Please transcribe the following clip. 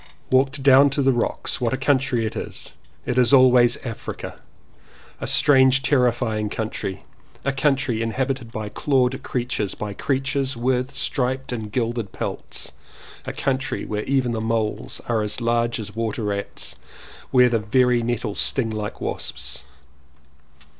Walked down to the rocks. What a country it is ! It is always Africa ! a strange terrifying country, a country inhabited by clawed creatures, by creatures with striped and gilded pelts, a country where even the moles are as large as water rats, and where the very nettles sting like wasps.